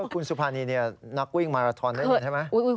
คุณสุภานีนักวิ่งมาราทอนได้เลยใช่ไหม